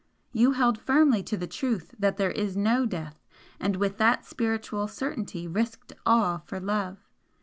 You held firmly to the truth that there is NO death, and with that spiritual certainty risked all for Love.